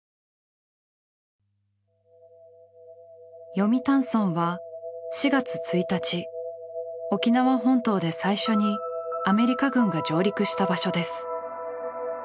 読谷村は４月１日沖縄本島で最初にアメリカ軍が上陸した場所です。